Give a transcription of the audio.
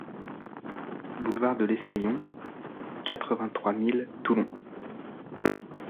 Boulevard de l'Escaillon, quatre-vingt-trois mille Toulon